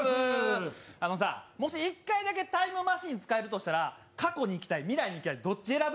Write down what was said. あのさ、もし１回だけタイムマシーンが使えるとしたら、過去にいきたい、未来にいきたい、どっち選ぶ？